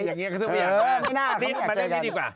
อย่างนี้เขาซื้อว่าอย่างนั้นมาเรื่องนี้ดีกว่า